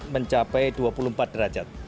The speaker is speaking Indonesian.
mencapai dua puluh empat derajat